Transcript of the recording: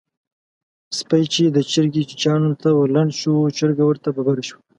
سپی چې د چرګې چیچيانو ته ورلنډ شو؛ چرګه ورته ببره شوه.